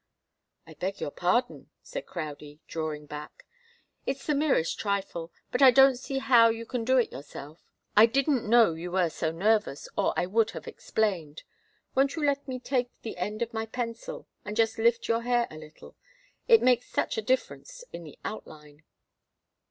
"I beg your pardon," said Crowdie, drawing back. "It's the merest trifle but I don't see how you can do it yourself. I didn't know you were so nervous, or I would have explained. Won't you let me take the end of my pencil and just lift your hair a little? It makes such a difference in the outline."